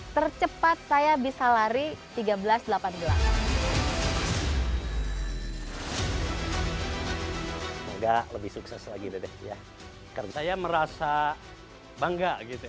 tercepat saya bisa lari tiga belas delapan gelas semoga lebih sukses lagi deh karena saya merasa bangga gitu